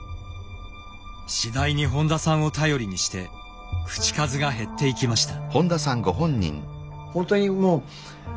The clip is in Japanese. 次第に本多さんを頼りにして口数が減っていきました。